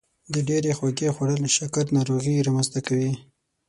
د ډیرې خوږې خوړل شکر ناروغي رامنځته کوي.